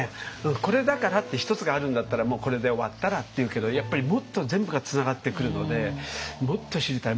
これだからって一つがあるんだったらもうこれで終わったらっていうけどやっぱりもっと全部がつながってくるのでもっと知りたい。